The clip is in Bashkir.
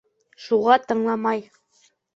Шуға тыңламай.